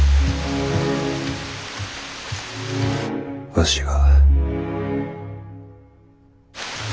わしが。